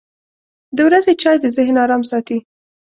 • د ورځې چای د ذهن ارام ساتي.